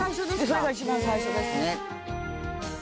それが一番最初ですね。